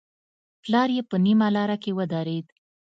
پلار يې په نيمه لاره کې ودرېد.